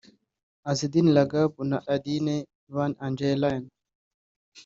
Azzedine Lagab na Adne van Engelen